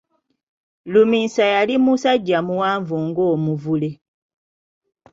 Luminsa yali musajja muwanvu ng'omuvule.